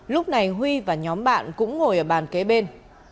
lúc này huy và nhóm bạn cũng ngồi ở bàn kế bên